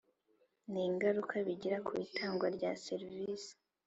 n ingaruka bigira ku itangwa rya Serivisi